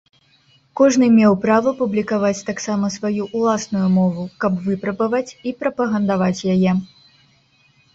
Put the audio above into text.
Кожны меў права публікаваць таксама сваю ўласную мову, каб выпрабаваць і прапагандаваць яе.